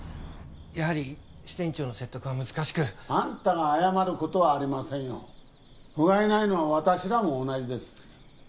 やはり支店長の説得は難しくあんたが謝ることはありませんよふがいないのは私らも同じです